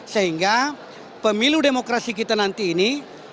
sehingga pemilu demokrasi kita nanti ini